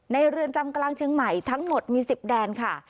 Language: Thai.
เรือนจำกลางเชียงใหม่ทั้งหมดมี๑๐แดนค่ะ